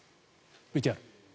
ＶＴＲ。